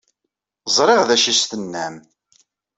Ẓṛiɣ d acu i s-tennam.